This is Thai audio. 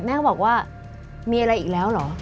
แม่ก็บอกว่ามีอะไรอีกแล้วเหรอ